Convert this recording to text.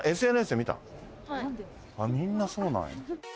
みんなそうなんや。